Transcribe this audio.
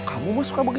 kamu mah suka begitu